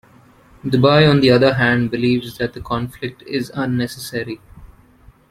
Dubai, on the other hand, believes that the conflict is unnecessary.